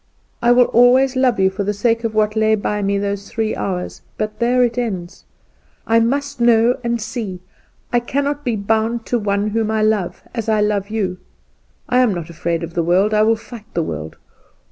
I will always love you for the sake of what lay by me those three hours; but there it ends. I must know and see, I cannot be bound to one whom I love as I love you. I am not afraid of the world I will fight the world.